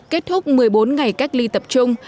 kết thúc một mươi bốn ngày cách ly tập trung